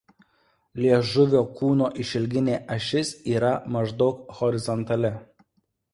Liežuvio kūno išilginė ašis yra maždaug horizontali.